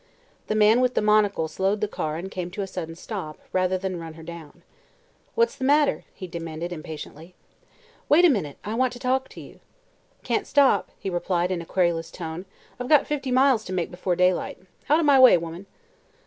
The man with the monocle slowed the car and came to a sudden stop, rather than run her down. "What's the matter?" he demanded impatiently. "Wait a minute; I want to talk to you." "Can't stop," he replied in a querulous tone. "I've got fifty miles to make before daylight. Out of my way, woman."